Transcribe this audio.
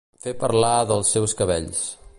Fer parlar dels seus cabells.